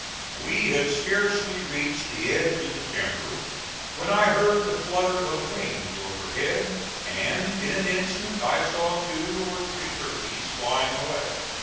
We had scarcely reached the edge of the timber when I heard the flutter of wings overhead, and in an instant I saw two or three turkeys flying away.